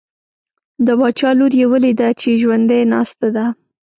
د باچا لور یې ولیده چې ژوندی ناسته ده.